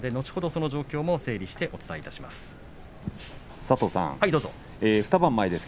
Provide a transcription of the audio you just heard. その状況も整理してお伝えします。